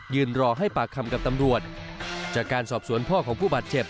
รอให้ปากคำกับตำรวจจากการสอบสวนพ่อของผู้บาดเจ็บ